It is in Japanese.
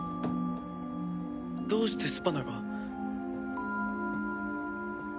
どうしてスパナが？